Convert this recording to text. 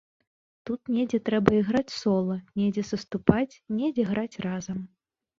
Тут недзе трэба іграць сола, недзе саступаць, недзе граць разам.